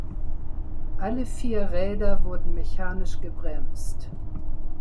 Alle vier Räder wurden mechanisch gebremst.